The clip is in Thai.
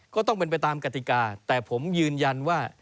ก็ต้องเป็นไปตามกติกาแต่ผมยืนยันว่า